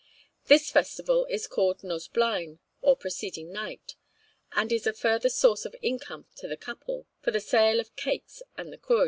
This festival is called Nos Blaen, or preceding night, and is a further source of income to the couple, from the sale of cakes and cwrw.